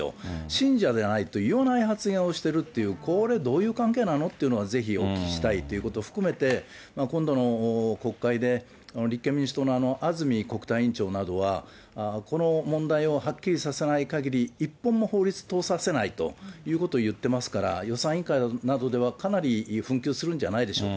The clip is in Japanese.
信者でないと言わない発言をしているって、これ、どういう関係なのっていうのをぜひお聞きしたいということを含めて今度の国会で立憲民主党の安住国対委員長などは、この問題をはっきりさせないかぎり、一本も法律通させないということを言ってますから、予算委員会などでは、かなり紛糾するんじゃないでしょ